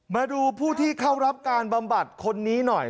มาดูผู้ที่เข้ารับการบำบัดคนนี้หน่อย